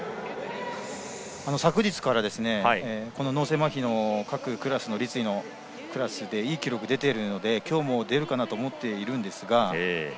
昨日から、脳性まひの各クラスの立位のクラスでいい記録出ているので今日も出るかなと思っているんですが。